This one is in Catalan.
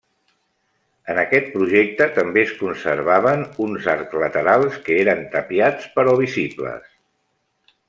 En aquest projecte també es conservaven uns arcs laterals, que eren tapiats però visibles.